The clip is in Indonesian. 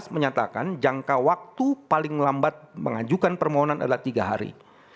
menyatakan jangka waktu paling lambat mengajukan permohonan adalah tiga hari